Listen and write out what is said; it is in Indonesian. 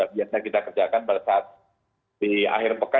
biasanya kita kerjakan pada saat di akhir pekan